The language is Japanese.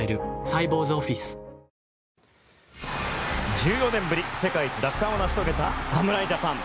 １４年ぶり、世界一奪還を成し遂げた侍ジャパン。